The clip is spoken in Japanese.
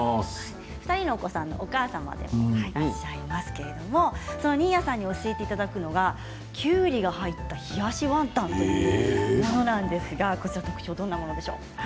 ２人のお子さんのお母様でもありますが新谷さんに教えていただくのはきゅうりが入った冷やしワンタンというものなんですが特徴はどんなものですか？